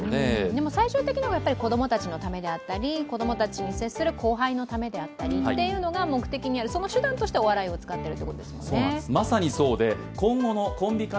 最終的には子供たちのためであったり、子供たちに接する後輩のためであったりというのが目的にある、その手段としてお笑いを使ってるんですね。